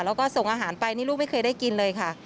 แล้วก็ส่งอาหารไปนี่ลูกไม่เคยได้กินเลยค่ะ